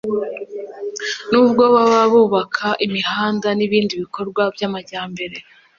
nubwo baba bubaka imihanda n’ibindi bikorwa by’amajyambere